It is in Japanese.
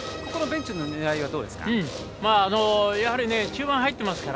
ベンチの狙いはどうですか？